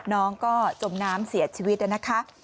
น้องก็จมน้ำเสียชีวิตนะคะ